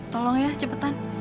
tolong ya cepetan